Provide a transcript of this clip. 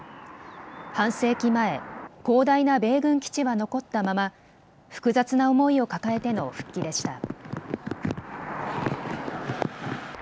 半世紀前、広大な米軍基地は残ったまま複雑な思いを抱えての復帰でした。